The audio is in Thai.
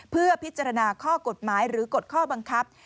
เพื่อพิจารณาข้อกฎหมายหรือกฎข้อบังคับ